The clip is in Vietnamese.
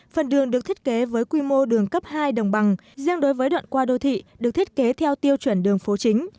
phần đường được thiết kế với quy mô đường cấp hai đồng bằng riêng đối với đoạn qua đô thị được thiết kế theo tiêu chuẩn đường phố chính